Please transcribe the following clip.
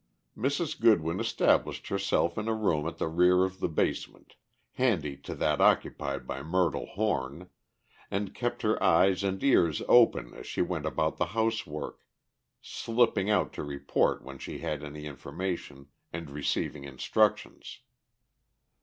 Mrs. Goodwin established herself in a room at the rear of the basement, handy to that occupied by Myrtle Horn, and kept her eyes and ears open as she went about the housework, slipping out to report when she had any information, and receiving instructions.